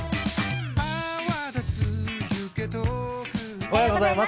おはようございます。